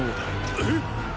えっ！